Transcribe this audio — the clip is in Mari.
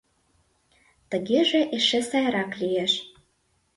Тыгеже эше сайрак лиеш.